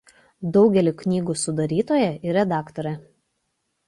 Daugelio knygų sudarytoja ir redaktorė.